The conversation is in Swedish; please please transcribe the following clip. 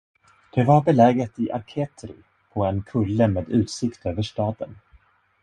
Det var beläget i Arcetri, på en kulle med utsikt över staden.